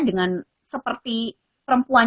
dengan seperti perempuan